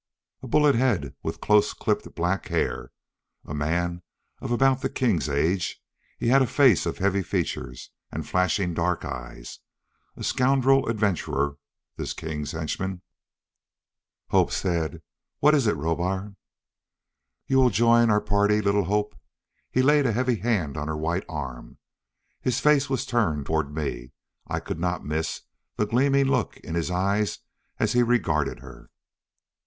A bullet head with close clipped black hair. A man of about the king's age, he had a face of heavy features, and flashing dark eyes. A scoundrel adventurer, this king's henchman. Hope said, "What is it, Rohbar?" "You will join our party, little Hope?" He laid a heavy hand on her white arm. His face was turned toward me. I could not miss the gleaming look in his eyes as he regarded her.